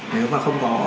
nếu mà không có